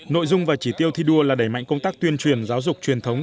nội dung và chỉ tiêu thi đua là đẩy mạnh công tác tuyên truyền giáo dục truyền thống